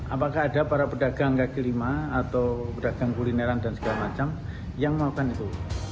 apakah ada para pedagang kaki lima atau pedagang kulineran dan segala macam yang melakukan itu